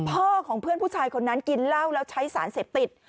ของเพื่อนผู้ชายคนนั้นกินเหล้าแล้วใช้สารเสพติด